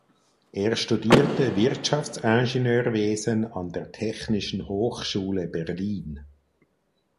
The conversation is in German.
Er studierte Wirtschaftsingenieurwesen an der Technischen Hochschule Berlin.